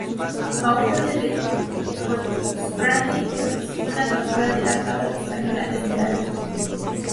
A órdenes de Cochrane participó en la captura de la fragata española "Esmeralda".